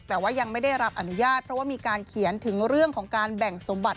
แต่ว่ายังไม่ได้รับอนุญาตเพราะว่ามีการเขียนถึงเรื่องของการแบ่งสมบัติ